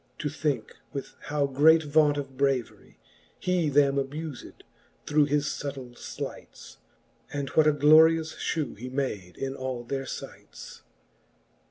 To thinke with how great vaunt of braverie He them abufed, through his fubtill flights. And what a glorious fhew he made in all their fights.